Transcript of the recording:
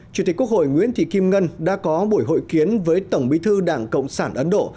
chủ tịch quốc hội nguyễn thị kim ngân đã có buổi hội kiến với tổng bí thư đảng cộng sản ấn độ